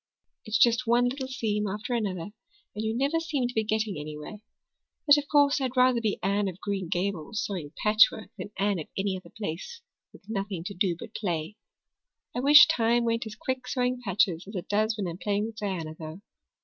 It's just one little seam after another and you never seem to be getting anywhere. But of course I'd rather be Anne of Green Gables sewing patchwork than Anne of any other place with nothing to do but play. I wish time went as quick sewing patches as it does when I'm playing with Diana, though.